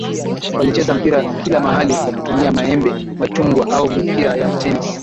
walicheza mpira kila mahali kwa kutumia maembe machungwa au mipira ya tennis